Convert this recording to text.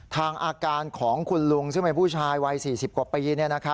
อาการของคุณลุงซึ่งเป็นผู้ชายวัย๔๐กว่าปี